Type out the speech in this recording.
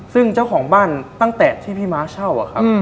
ซึ่งเจ้าของบ้านตั้งแต่ที่พี่ม้าเช่าอะครับ